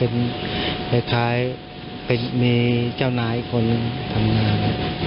เป็นท้ายมีเจ้านายอีกคนนึงทำงาน